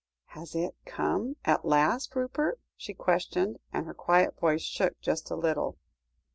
"Has it come at last, Rupert?" she questioned, and her quiet voice shook just a little.